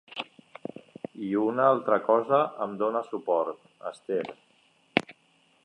I una altra cosa em dona suport, Esther.